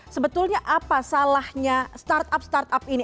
sebetulnya apa salahnya startup startup ini